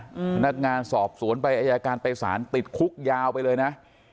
พนักงานสอบสวนไปอายการไปสารติดคุกยาวไปเลยนะ